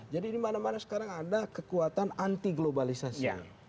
jadi dimana mana sekarang ada kekuatan anti globalisasi